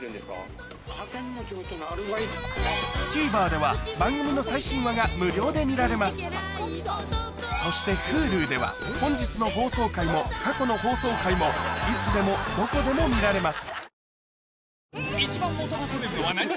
ＴＶｅｒでは番組の最新話が無料で見られますそしてＨｕｌｕでは本日の放送回も過去の放送回もいつでもどこでも見られます